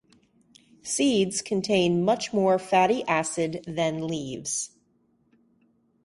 Seeds contain much more fatty acid than leaves.